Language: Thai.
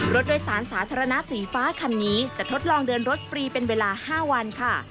รถโดยสารสาธารณะสีฟ้าคันนี้จะทดลองเดินรถฟรีเป็นเวลา๕วันค่ะ